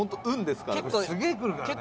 すげえくるからねこれ。